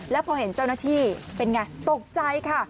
แล้วพอเห็นเจ้าหน้าที่เป็นไงตกใจค่ะ